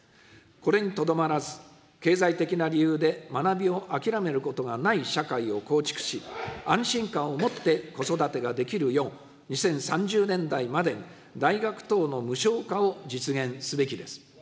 これにとどまらず、経済的な理由で学びを諦めることがない社会を構築し、安心感を持って子育てができるよう、２０３０年代まで大学等の無償化を実現すべきです。